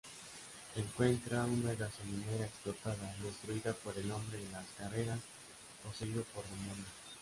Encuentra una gasolinera explotada, destruida por el Hombre de las Carreras poseído por demonios.